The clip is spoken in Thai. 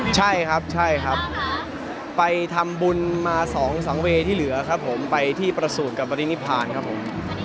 ใช่ครับใช่ครับไปทำบุญมาสองสังเวที่เหลือครับผมไปที่ประสูจน์กับบรินิพานครับผม